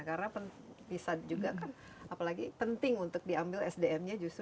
karena bisa juga kan apalagi penting untuk diambil sdm nya justru di sdm